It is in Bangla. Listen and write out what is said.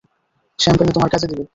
শ্যাম্পেন এ তোমার কাজে দিবে।